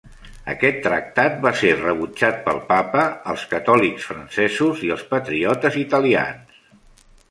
Aquest tractat va ser rebutjat pel Papa, els catòlics francesos i els patriotes italians.